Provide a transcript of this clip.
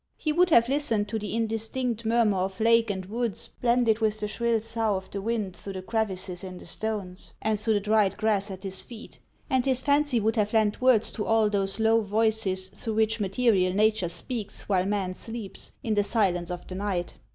He would have listened to the indistinct murmur of lake and woods blended with the shrill sough of the wind through the crevices in the stones and through the dried grass at his feet, and his fancy would have lent words to all those low voices through which material Nature speaks while man sleeps, in the silence of the night.